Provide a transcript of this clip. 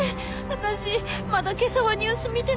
私まだ今朝はニュース見てなくて。